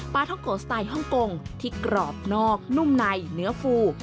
ท้องโกะสไตล์ฮ่องกงที่กรอบนอกนุ่มในเนื้อฟู